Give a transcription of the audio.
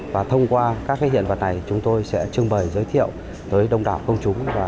và thông qua các hiện vật này chúng tôi sẽ trưng bày giới thiệu tới đông đảo công chúng